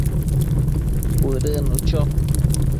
Cuëdënnu cho